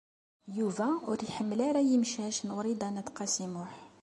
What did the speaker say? Yuba ur iḥemmel ara imcac n Wrida n At Qasi Muḥ.